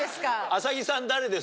麻木さん誰です？